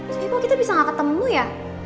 tapi kok kita bisa gak ketemu ya